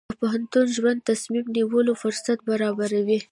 د پوهنتون ژوند د تصمیم نیولو فرصت برابروي.